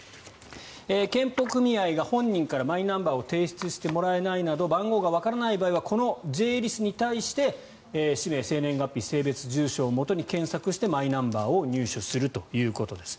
健保組合が本人からマイナンバーを提出してもらえないなど番号がわからない場合はこのＪ−ＬＩＳに対して氏名、生年月日性別、住所をもとに検索してマイナンバーを入手するということです。